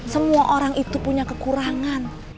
semua orang itu punya kekurangan